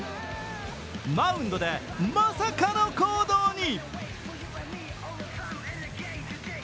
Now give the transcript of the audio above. マウンドでまさかの行動に。